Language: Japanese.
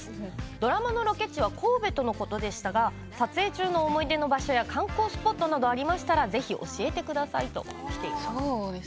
ドラマのロケ地は神戸とのことでしたが撮影中の思い出の場所や観光スポットなどありましたらぜひ教えてくださいときています。